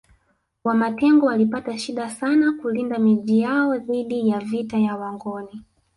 Wamatengo walipata shida sana kulinda Miji yao dhidi ya vita ya Wangoni